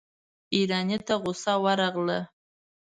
ايراني ته غصه ورغله.